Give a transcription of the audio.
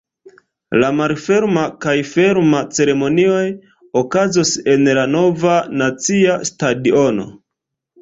La malferma kaj ferma ceremonioj okazos en la Nova nacia stadiono.